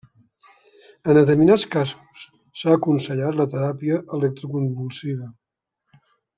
En determinats casos s'ha aconsellat la teràpia electroconvulsiva.